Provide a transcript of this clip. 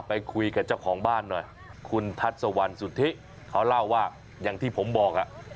ไปคุยกับเจ้าของบ้านหน่อยคุณทัศวรรณสุธิเขาเล่าว่าอย่างที่ผมบอกอ่ะ